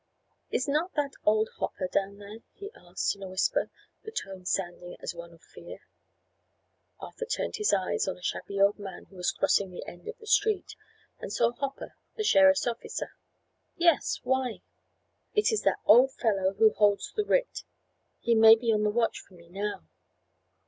"Is not that old Hopper down there?" he asked, in a whisper, the tone sounding as one of fear. Arthur turned his eyes on a shabby old man who was crossing the end of the street, and saw Hopper, the sheriff's officer. "Yes, why?" "It is that old fellow who holds the writ. He may be on the watch for me now.